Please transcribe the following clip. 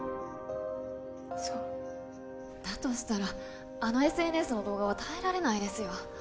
そうだとしたらあのＳＮＳの動画は耐えられないですよ